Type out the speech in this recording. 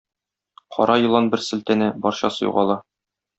Кара елан бер селтәнә, барчасы югала.